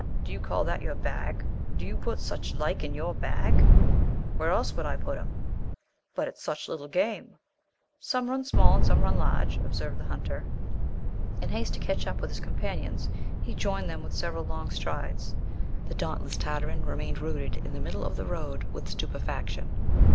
do you call that your bag? Do you put such like in your bag?" "Where else should I put 'em?" "But it's such little game." "Some run small and some run large," observed the hunter. In haste to catch up with his companions, he joined them with several long strides. The dauntless Tartarin remained rooted in the middle of the road with stupefaction.